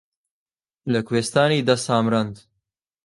لە کوێستانی دە سامرەند